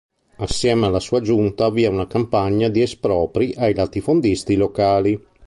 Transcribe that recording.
Assieme alla sua giunta avvia una campagna di espropri ai latifondisti locali.